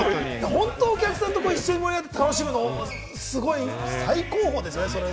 お客さんと一緒に盛り上がって楽しむの、すごい最高ですよね。